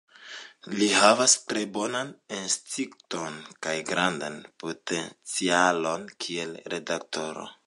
Li havas tre bonan instinkton kaj grandan potencialon kiel redaktoro.